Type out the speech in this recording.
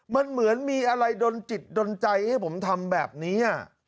มันเหมือนมีอะไรดนจิตดนใจให้ผมทำแบบนี้